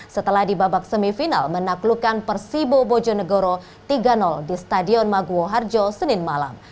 setelah di babak semifinal menaklukkan persibo bojonegoro tiga di stadion maguwo harjo senin malam